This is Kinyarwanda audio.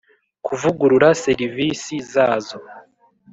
kuvugurura serivisi zazo